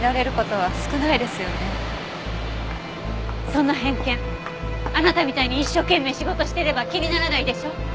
そんな偏見あなたみたいに一生懸命仕事してれば気にならないでしょ？